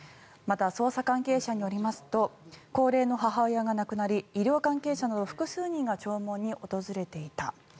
また捜査関係者によりますと高齢の母親が亡くなり医療関係者など複数人が弔問に訪れていた。